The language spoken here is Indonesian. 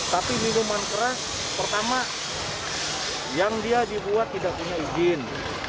tapi minuman keras pertama yang dia dibuat tidak punya izin